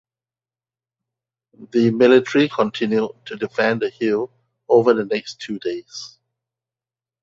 The military continued to defend the hill over the next two days.